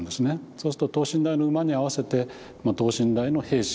そうすると等身大の馬に合わせてまあ等身大の兵士